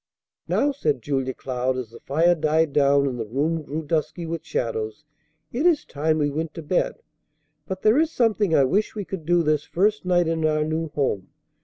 "Now," said Julia Cloud, as the fire died down and the room grew dusky with shadows, "it is time we went to bed. But there is something I wish we could do this first night in our new home.